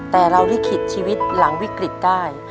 แต่เราลิขิตชีวิตหลังวิกฤตได้